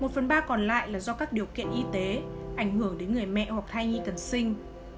một phần ba còn lại là do các điều kiện y tế ảnh hưởng đến người mẹ hoặc thai nhi cần sinh